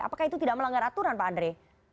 apakah itu tidak melanggar aturan pak andre